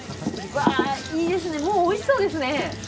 わぁいいですねもうおいしそうですね。